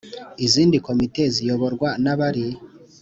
Izindi komite ziyoborwa n abari